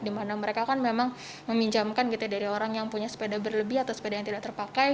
dimana mereka kan memang meminjamkan gitu dari orang yang punya sepeda berlebih atau sepeda yang tidak terpakai